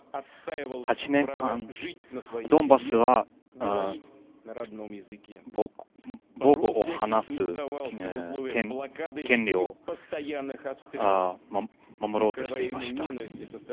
８年間、ドンバスは母語を話す権利を守ろうとしていました。